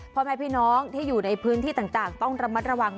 พ่อแม่พี่น้องที่อยู่ในพื้นที่ต่างต้องระมัดระวัง